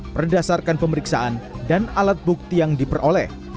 berdasarkan pemeriksaan dan alat bukti yang diperoleh